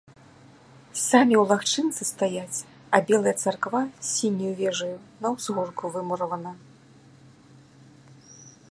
Самі ў лагчынцы стаяць, а белая царква з сіняю вежаю на ўзгорку вымуравана.